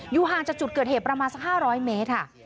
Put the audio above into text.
ห่างจากจุดเกิดเหตุประมาณสัก๕๐๐เมตรค่ะ